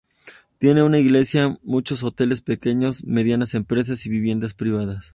Tiene una iglesia, muchos hoteles pequeños, medianas empresas y viviendas privadas.